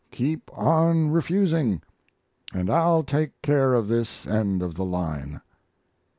Keep on refusing, and I'll take care of this end of the line.